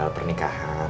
bapaknya lagi ke subang